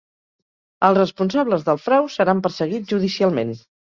Els responsables del frau seran perseguits judicialment.